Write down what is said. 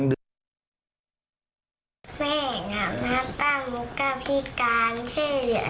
ช่วยเหลือตัวเองไม่ได้